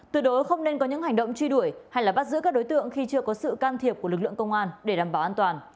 từ đó không nên có những hành động truy đuổi hay bắt giữ các đối tượng khi chưa có sự can thiệp của lực lượng công an để đảm bảo an toàn